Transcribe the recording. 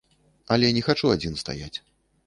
Але не хачу адзін стаяць.